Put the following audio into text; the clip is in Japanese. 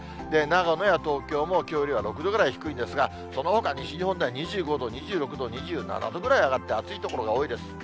長野や東京もきょうよりは６度ぐらい低いんですが、そのほか西日本では２５度、２６度、２７度ぐらいまで上がって、暑い所が多いです。